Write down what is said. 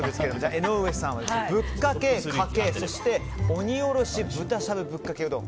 江上さんはぶっかけ、かけ鬼おろし豚しゃぶぶっかけうどん。